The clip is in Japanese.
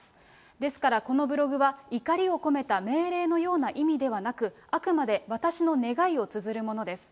ですから、このブログは怒りを込めた命令のような意味ではなく、あくまで私の願いをつづるものです。